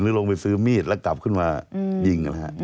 ลงไปซื้อมีดแล้วกลับขึ้นมายิงนะฮะ